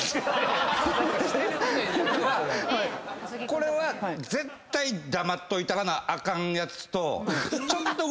これは絶対黙っといたらなあかんやつと。